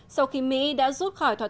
sau khi mỹ đã rút khỏi thủ đô